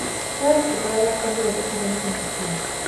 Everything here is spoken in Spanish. Puede recuperarla a cambio de dos millones en efectivo"".